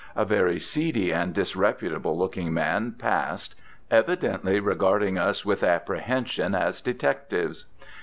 A very seedy and disreputable looking man passed, evidently regarding us with apprehension as detectives.